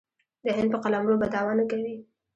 د هند په قلمرو به دعوه نه کوي.